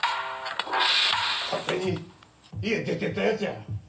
勝手に家出てったやつや。